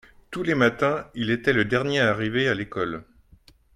tous les matins il était le dernier à arriver à l'école.